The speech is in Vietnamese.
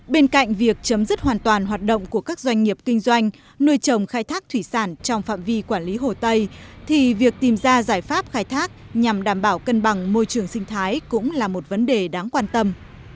bên cạnh việc chấm dứt hoàn toàn hoạt động của các doanh nghiệp kinh doanh nuôi trồng khai thác thủy sản trong phạm vi quản lý hồ tây thì việc tìm ra giải pháp khai thác nhằm đảm bảo cân bằng môi trường sinh thái cũng là một vấn đề đáng quan tâm